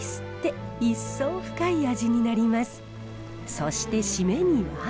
そして締めには。